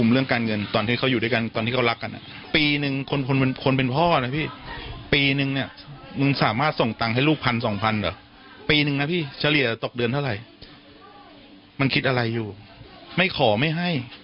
เอาเงินเท่าไหร่มันคิดอะไรอยู่ไม่ขอไม่ให้